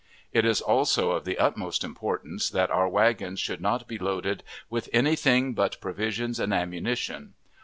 It is also of the utmost importance that our wagons should not be loaded with any thing but provisions and ammunition.